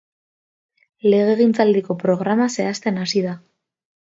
Legegintzaldiko programa zehazten hasi da.